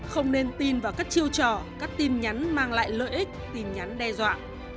không nên tin vào các chiêu trò các tin nhắn mang lại lợi ích tin nhắn đe dọa